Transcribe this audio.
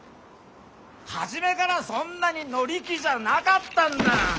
初めからそんなに乗り気じゃなかったんだ。